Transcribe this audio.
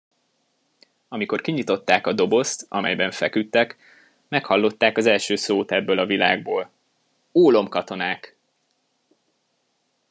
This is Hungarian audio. Amikor kinyitották a dobozt, amelyben feküdtek, meghallották az első szót ebből a világból: Ólomkatonák!